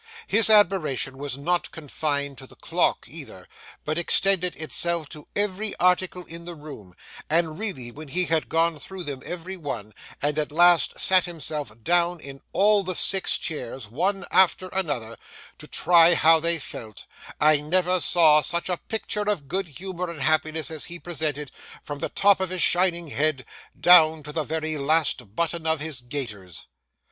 His admiration was not confined to the clock either, but extended itself to every article in the room; and really, when he had gone through them every one, and at last sat himself down in all the six chairs, one after another, to try how they felt, I never saw such a picture of good humour and happiness as he presented, from the top of his shining head down to the very last button of his gaiters.